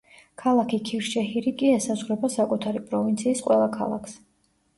ქალაქი ქირშეჰირი კი ესაზღვრება საკუთარი პროვინციის ყველა ქალაქს.